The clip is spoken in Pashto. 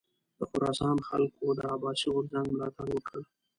د خراسان خلکو د عباسي غورځنګ ملاتړ وکړ.